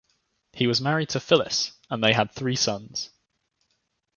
He was married to Phyllis, and they had three sons.